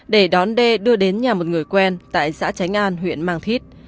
để đón dê đưa đến nhà một người quen tại xã tránh an huyện màng thít